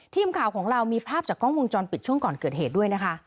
ทีมข่าวของเรามีภาพจากกล้องวงจรปิดช่วงก่อนเกิดเหตุด้วยนะคะ